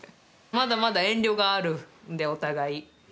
まだまだ遠慮があるんでお互い。